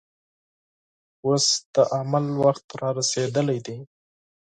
اوس د عمل وخت رارسېدلی دی.